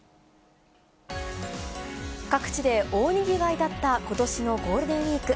各地で大にぎわいだったことしのゴールデンウィーク。